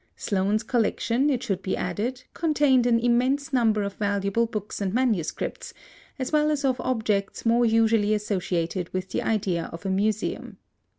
Sloane's collection, it should be added, contained an immense number of valuable books and manuscripts, as well as of objects more usually associated with the idea of a museum.